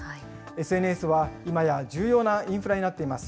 ＳＮＳは今や重要なインフラになっています。